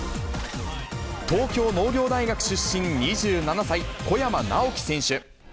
東京農業大学出身、２７歳、小山直城選手。